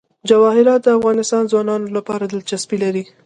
جواهرات د افغان ځوانانو لپاره دلچسپي لري.